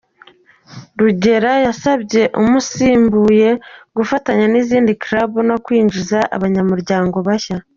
Rugera yasabye umusimbuye gufatanya n’izindi clubs no kwinjiza abanyamuryango bashya.